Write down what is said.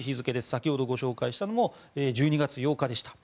先ほどご紹介したのも１２月８日でした。